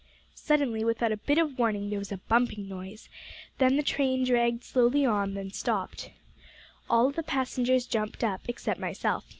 "Suddenly, without a bit of warning, there was a bumping noise, then the train dragged slowly on, then stopped. All the passengers jumped up, except myself.